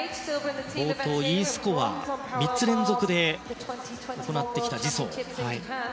冒頭、Ｅスコア３つ連続で行ってきたジ・ソウ。